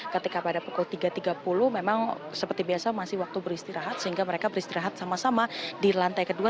ketika pada pukul tiga tiga puluh memang seperti biasa masih waktu beristirahat sehingga mereka beristirahat sama sama di lantai kedua